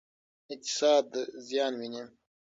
اقتصاد زیان ویني.